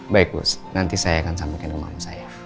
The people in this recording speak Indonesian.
baik bu nanti saya akan sampaikan di rumah sama saya